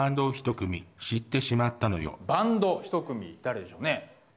バンドひと組誰でしょうね。